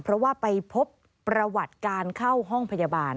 เพราะว่าไปพบประวัติการเข้าห้องพยาบาล